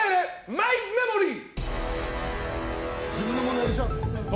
マイメモリー！